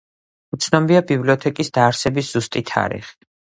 უცნობია ბიბლიოთეკის დაარსების ზუსტი თარიღი.